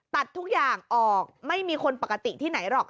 ตัดทุกอย่างออกไม่มีคนปกติที่ไหนหรอก